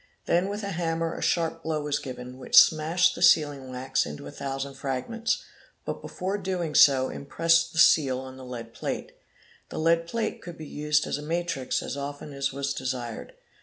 Then with a hammer a sharp blow was given, which smashed the sealing wax into a thousand fragments; but before doing — so impressed the seal on the lead plate. The lead plate could be used as _ a matrix as often as was desired.